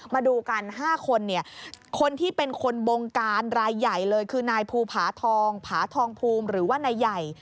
มาดูกัน๕คนเนี่ยคนที่เป็นคนบงการรายใหญ่เลยคือนายภูผาทองผาทองภูมิหรือว่านายใหญ่